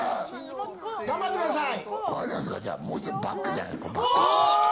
頑張ってください。